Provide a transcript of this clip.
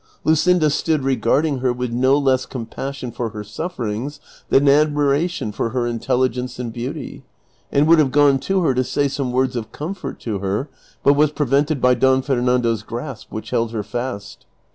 Luscinda stood regarding her with no less compassion for her sufferings than admiration for her intelli gence and beauty, and would have gone to her to say some words of comfort to her, but was prevented by Don Fernando' s grasp which held her fast.